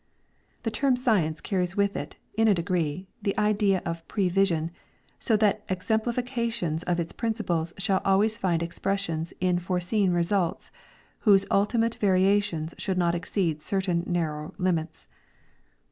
The term " science "' carries with it in a degree the idea of prevision, so that exemplifications of its principles shall always fiiid expr.ession in foreseen results, whose ultimate variations should not exceed certain narrow limits.